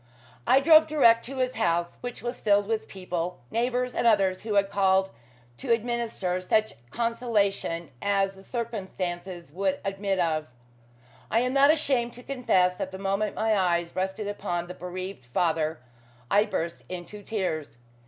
I drove direct to his house, which was filled with people neighbours and others who had called to administer such consolation as the circumstances would admit of. I am not ashamed to confess that the moment my eyes rested upon the bereaved father I burst into tears.